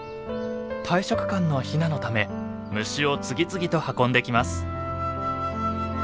大食漢のヒナのため虫を次々と運んできます。